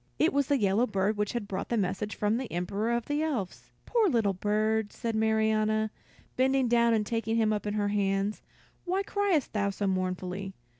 It was the yellow bird which had brought the message from the Emperor of the Elves. "Poor little bird," said Marianna, bending down and taking him up in her hands, "why criest thou so mournfully?